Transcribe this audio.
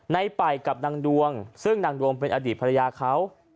ไปกับนางดวงซึ่งนางดวงเป็นอดีตภรรยาเขา